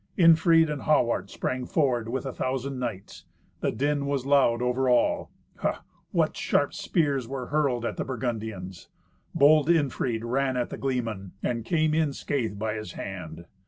Irnfried and Hawart sprang forward with a thousand knights. The din was loud over all. Ha! what sharp spears were hurled at the Burgundians! Bold Irnfried ran at the gleeman, and came in scathe by his hand.